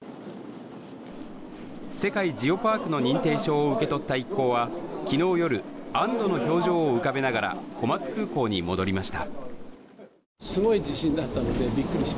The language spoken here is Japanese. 世界ジオパークの認定証を受け取った一行は昨日夜安どの表情を浮かべながら小松空港に戻りました。